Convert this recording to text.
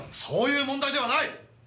そういう問題ではない！